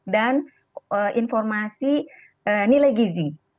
dan informasi nilai gizi